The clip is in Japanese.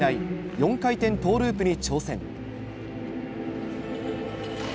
４回転トーループに挑戦。